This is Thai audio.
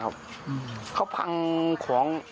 ตลอดนะครับ